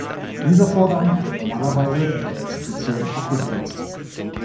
Dieser Vorgang wird normalerweise von der Exkretion abgegrenzt.